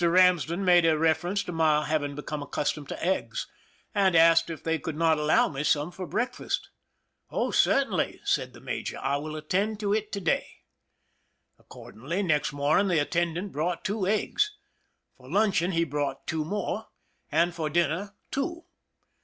Ramsden made a reference to my having been accustomed to eggs, and asked if they could not allow me some for breakfast. " Oh, certainly," said the major ;" I will attend to it to day." Accordingly, next morning the attendant brought two eggs; for luncheon he brought two more, and for dinner two.